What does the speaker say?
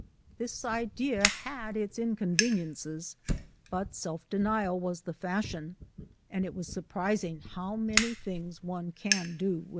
This idea had its inconven iences; but self denial was the fashion, and it was surprising how many things one can do without.